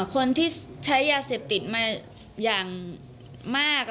คนที่ใช้ยาเสพติดมาอย่างมาก